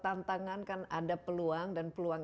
tantangan kan ada peluang dan peluang